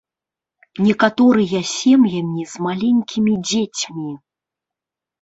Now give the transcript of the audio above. Некаторыя сем'ямі з маленькімі дзецьмі.